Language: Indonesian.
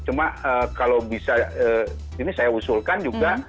cuma kalau bisa ini saya usulkan juga